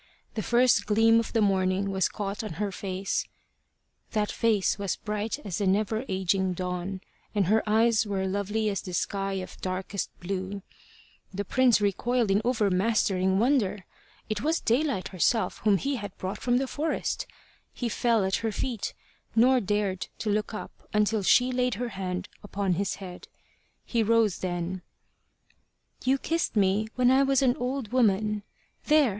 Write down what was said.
The first gleam of the morning was caught on her face: that face was bright as the never aging Dawn, and her eyes were lovely as the sky of darkest blue. The prince recoiled in overmastering wonder. It was Daylight herself whom he had brought from the forest! He fell at her feet, nor dared to look up until she laid her hand upon his head. He rose then. "You kissed me when I was an old woman: there!